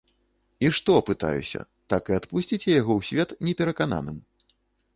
І што, пытаюся, так і адпусціце яго ў свет неперакананым?